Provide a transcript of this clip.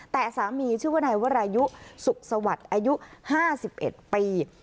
แต่สามีชื่อว่าไหนว่ารายุสุขสวัสดิ์อายุห้าสิบเอ็ดปี